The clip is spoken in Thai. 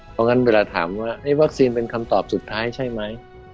เพราะงั้นเวลาถามว่าวัคซีนเป็นคำตอบสุดท้ายใช่ไหม